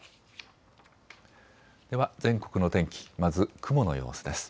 では全国の天気、まず雲の様子です。